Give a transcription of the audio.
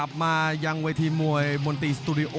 รับทราบบรรดาศักดิ์